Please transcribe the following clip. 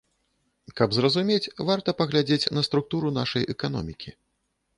Каб зразумець, варта паглядзець на структуру нашай эканомікі.